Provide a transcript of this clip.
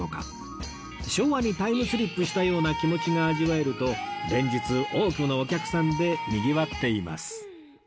昭和にタイムスリップしたような気持ちが味わえると連日多くのお客さんでにぎわっています